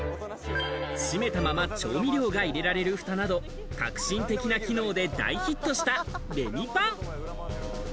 閉めたまま調味料が入れられるふたなど、革新的な機能で大ヒットしたレミパン。